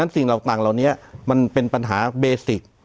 สิ่งเหล่านี้มันเป็นปัญหาเบสิก